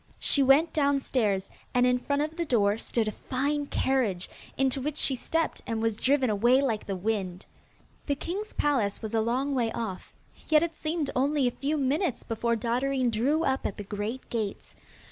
She went downstairs, and in front of the door stood a fine carriage, into which she stepped and was driven away like the wind. The king's palace was a long way off, yet it seemed only a few minutes before Dotterine drew up at the great gates.